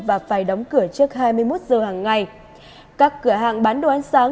và phải đóng cửa trước hai mươi một giờ hàng ngày các cửa hàng bán đồ ăn sáng